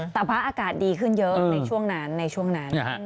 แต่พระอากาศดีขึ้นเยอะในช่วงนั้น